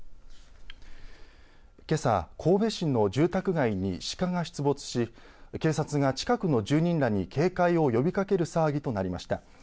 けさ神戸市の住宅街にシカが出没し警察が近くの住人らに警戒を呼びかける騒ぎとなりました。